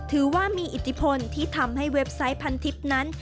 ถือว่ามีอิทธิพลที่ทำให้เว็บไซต์พันทิพย์นั้น